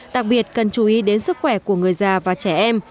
đặc biệt cần chú ý đến sức khỏe của người già và trẻ em